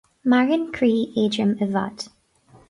Maireann croí éadrom i bhfad